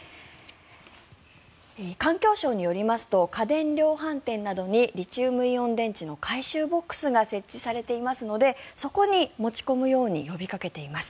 環境省によりますと家電量販店などにリチウムイオン電池の回収ボックスが設置されていますのでそこに持ち込むように呼びかけています。